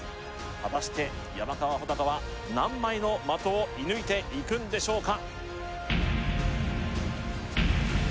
果たして山川穂高は何枚の的を射抜いていくんでしょうか？